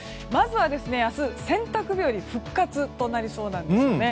まずは明日、洗濯日和が復活となりそうなんです。